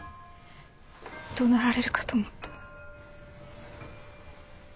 怒鳴られるかと思った。